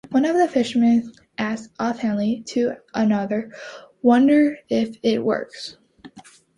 One of the fishermen asks offhandedly to another, Wonder if it works?